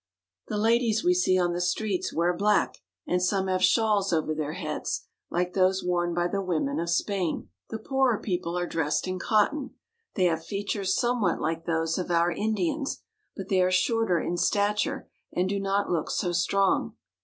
The ladies we see on the streets wear black, and some have shawls over their heads, like those worn by the women of Spain. The poorer people are dressed in cotton. They have features som.e what like those of our Indians ; but they are shorter in stature, and do not look so strong.